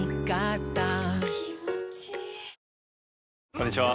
こんにちは。